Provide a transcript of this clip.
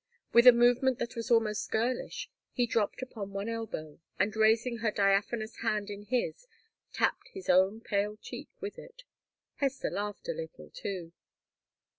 With a movement that was almost girlish he dropped upon one elbow, and raising her diaphanous hand in his, tapped his own pale cheek with it. Hester laughed a little, too.